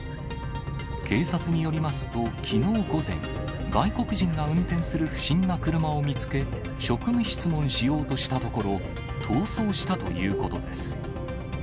警察によりますと、きのう午前、外国人が運転する不審な車を見つけ、職務質問しようとしたところ、逃走したということです。